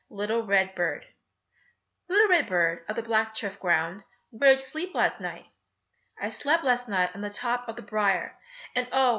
LITTLE RED BIRD Little red bird of the black turf ground, Where did you sleep last night? I slept last night on the top of the briar, And oh!